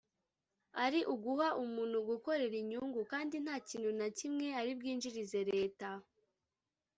ari uguha umuntu gukorera inyungu kandi nta kintu na kimwe ari bwinjirize Leta